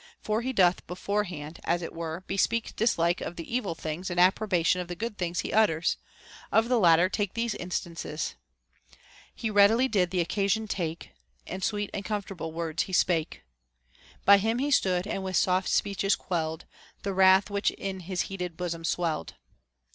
For he doth beforehand, as it were, bespeak dislike of the evil things and approbation of the good things he utters. Of the latter take these instances :— He readily did the occasion take, And sweet and comfortable words he spake ;* By him he stood, and with soft speeches quelled The wrath which in his heated bosom swelled.